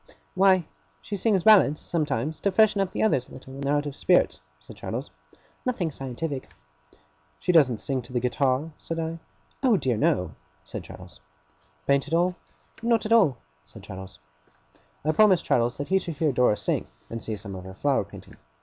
'Why, she sings ballads, sometimes, to freshen up the others a little when they're out of spirits,' said Traddles. 'Nothing scientific.' 'She doesn't sing to the guitar?' said I. 'Oh dear no!' said Traddles. 'Paint at all?' 'Not at all,' said Traddles. I promised Traddles that he should hear Dora sing, and see some of her flower painting.